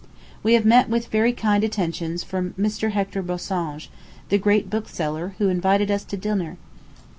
We have met with very kind attentions from Mr. Hector Bossange, the great bookseller, who invited us to dinner.